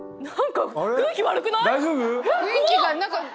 何か。